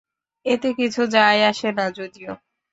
এতে কিছু যায় আসে না যদিও।